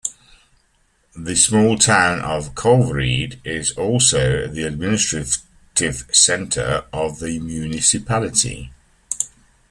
The small town of Kolvereid is also the administrative centre of the municipality.